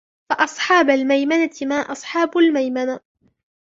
فَأَصْحَابُ الْمَيْمَنَةِ مَا أَصْحَابُ الْمَيْمَنَةِ